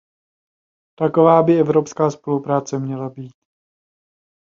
Taková by evropská spolupráce měla být.